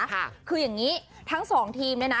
คืออย่างนี้ทั้งสองทีมเนี่ยนะ